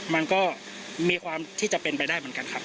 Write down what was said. มันก็มีความที่จะเป็นไปได้เหมือนกันครับ